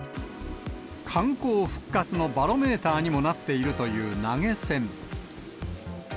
観光復活のバロメーターにもなっているという投げ銭。